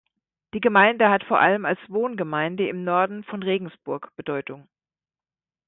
Die Gemeinde hat vor allem als Wohngemeinde im Norden von Regensburg Bedeutung.